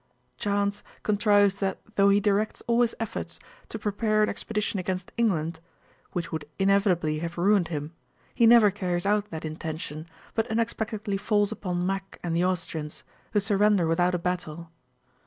Chance contrives that though he directs all his efforts to prepare an expedition against England (which would inevitably have ruined him) he never carries out that intention, but unexpectedly falls upon Mack and the Austrians, who surrender without a battle.